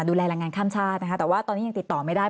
ดูแลแรงงานข้ามชาตินะคะแต่ว่าตอนนี้ยังติดต่อไม่ได้